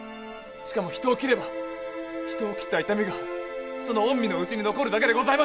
しかも人を斬れば人を斬った痛みがその御身の内に残るだけでございましょう！